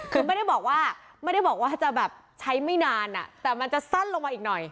คือไม่ได้บอกว่าจะแบบใช้ไม่นานแต่มันจะสั้นลงมาอีกหน่อย